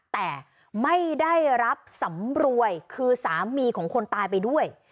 แต่ไม่ได้รับสำรวยคือสามีของคนตายไปด้วย